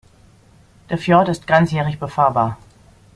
Der Fjord ist ganzjährig befahrbar.